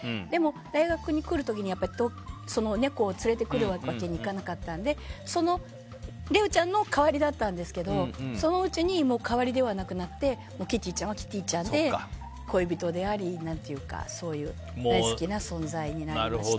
大学の時に猫を連れてくるわけにはいかなかったのでそのレオちゃんの代わりだったんですけどそのうちに代わりではなくなってキティちゃんはキティちゃんで恋人であり大好きな存在になりました。